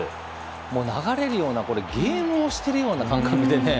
もう流れるようなゲームをしているような感覚でね。